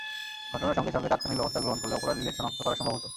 ঘটনার সঙ্গে সঙ্গে তাৎক্ষণিক ব্যবস্থা গ্রহণ করলে অপরাধীদের শনাক্ত করা সম্ভব হতো।